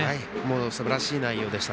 すばらしい内容でした。